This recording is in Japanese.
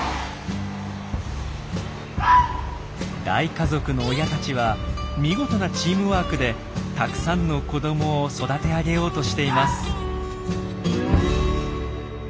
大家族の親たちは見事なチームワークでたくさんの子どもを育て上げようとしています。